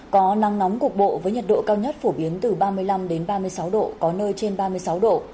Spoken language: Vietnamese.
có nắng nóng cục bộ với nhiệt độ cao nhất phổ biến từ ba mươi năm ba mươi sáu độ có nơi trên ba mươi sáu độ